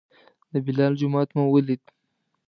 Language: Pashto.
د بلال جومات مو ولید.